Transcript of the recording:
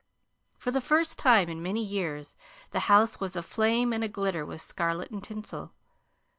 For the first time in many years the house was aflame and aglitter with scarlet and tinsel.